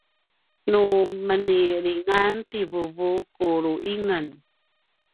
nu menilingan ti vuvu ku lu’ingen